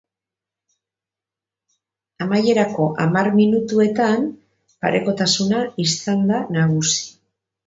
Amaierako hamar minutuetan parekotasuna izan da nagusi.